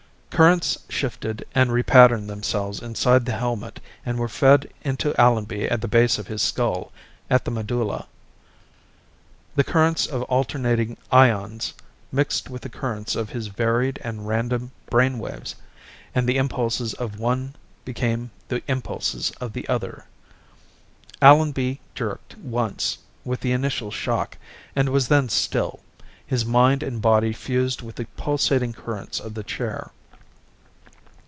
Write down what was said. Currents shifted and repatterned themselves inside the helmet and were fed into Allenby at the base of his skull, at the medulla. The currents of alternating ions mixed with the currents of his varied and random brain waves, and the impulses of one became the impulses of the other. Allenby jerked once with the initial shock and was then still, his mind and body fused with the pulsating currents of the chair.